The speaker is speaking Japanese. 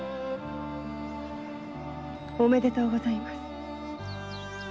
おめでとうございます。